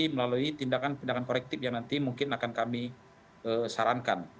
melalui tindakan tindakan korektif yang nanti mungkin akan kami sarankan